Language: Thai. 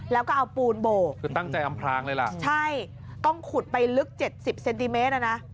แล้วก็เอาปูนโบกคือตั้งใจอำพลางเลยล่ะใช่ต้องขุดไปลึกเจ็ดสิบเซนติเมตรอ่ะนะ